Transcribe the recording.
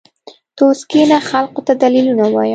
ته اوس کښېنه خلقو ته دليلونه ووايه.